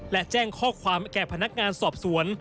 และแจ้งข้อความแก่พนักงานสอบสวน